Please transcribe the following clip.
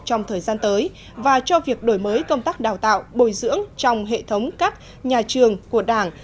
trong thời gian tới và cho việc đổi mới công tác đào tạo bồi dưỡng trong hệ thống các nhà trường của đảng